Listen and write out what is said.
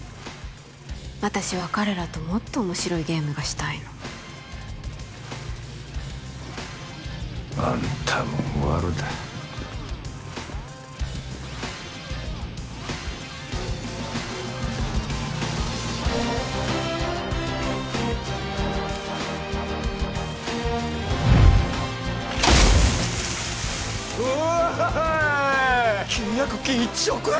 私は彼らともっと面白いゲームがしたいのあんたもワルだうおお！契約金１億円！？